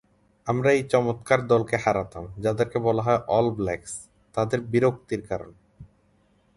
আমরা এই চমৎকার দলকে হারাতাম, যাদেরকে বলা হয় অল ব্ল্যাকস, তাদের বিরক্তির কারণ।